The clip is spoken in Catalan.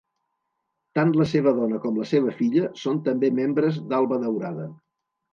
Tant la seva dona com la seva filla són també membres d'Alba Daurada.